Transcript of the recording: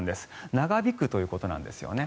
長引くということなんですよね。